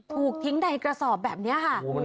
ทุกถึงในกระสอบแบบนี้ค่ะ